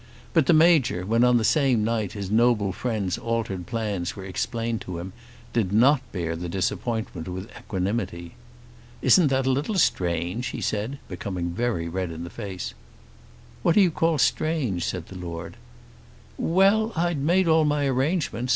But the Major, when on the same night his noble friend's altered plans were explained to him, did not bear the disappointment with equanimity. "Isn't that a little strange?" he said, becoming very red in the face. "What do you call strange?" said the Lord. "Well; I'd made all my arrangements.